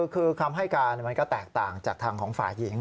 คือคำให้การมันก็แตกต่างจากทางของฝ่ายหญิง